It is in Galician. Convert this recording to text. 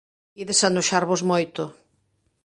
Ides anoxarvos moito.